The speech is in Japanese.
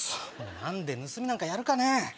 何で盗みなんかやるかね？